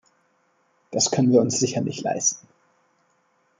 Das können wir uns sicher nicht leisten.